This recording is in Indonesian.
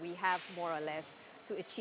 kita harus mencapai